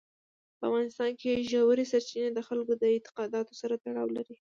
په افغانستان کې ژورې سرچینې د خلکو د اعتقاداتو سره تړاو لري.